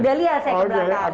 udah lihat saya ke belakang